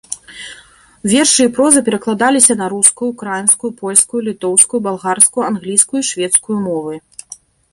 Вершы і проза перакладаліся на рускую, украінскую, польскую, літоўскую, балгарскую, англійскую і шведскую мовы.